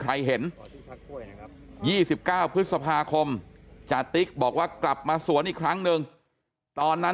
ใครเห็น๒๙พฤษภาคมจติ๊กบอกว่ากลับมาสวนอีกครั้งหนึ่งตอนนั้น